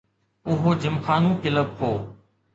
اهو جمخانو ڪلب هو.